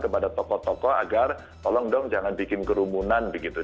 kepada tokoh tokoh agar tolong dong jangan bikin kerumunan begitu